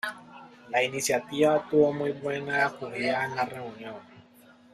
La iniciativa tuvo muy buena acogida en la reunión.